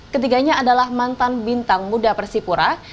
ketiganya adalah mantan bintang muda persipura